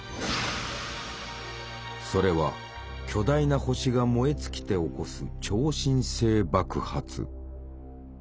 それは巨大な星が燃え尽きて起こす超新星爆発。